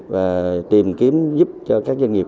và tìm kiếm giúp cho các doanh nghiệp